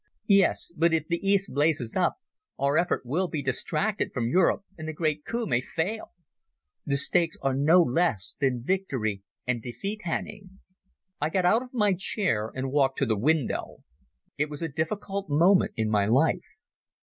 Yes; but if the East blazes up, our effort will be distracted from Europe and the great coup may fail. The stakes are no less than victory and defeat, Hannay." I got out of my chair and walked to the window. It was a difficult moment in my life.